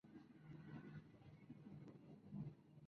Con los Sun Devils pasó cuatro años.